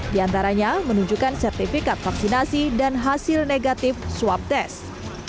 di antaranya menunjukkan sertifikat vaksinasi dan hasil negatif swab test